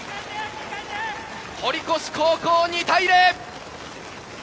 堀越高校、２対０。